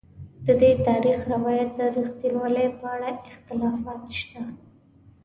ددې تاریخي روایت د رښتینوالي په اړه اختلافات شته.